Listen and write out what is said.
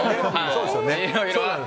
そうですよね。